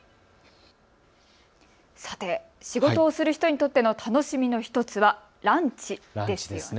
さて、仕事をする人にとっての楽しみの１つはランチですね。